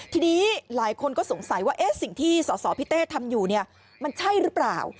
ทีนี้หลายคนก็สงสัยว่าสิ่งที่สสพี่เต้ทำอยู่เนี่ยมันใช่หรือเปล่า